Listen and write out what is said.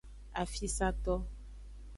Afisato.